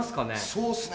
そうっすね